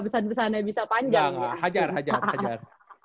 pesan pesannya bisa panjang ya ya hajar hajar